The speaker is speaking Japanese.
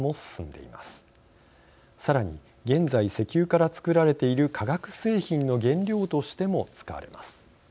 さらに現在石油から作られている化学製品の原料としても使われます。